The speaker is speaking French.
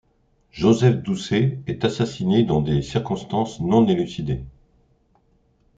Joseph Doucé est assassiné dans des circonstances non élucidées.